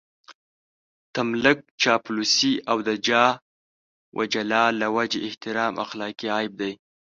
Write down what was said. تملق، چاپلوسي او د جاه و جلال له وجهې احترام اخلاقي عيب دی.